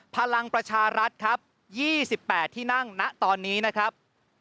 พลังประชารัฐครับ๒๘ที่นั่งณตอนนี้นะครับ